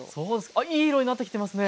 あっいい色になってきてますね。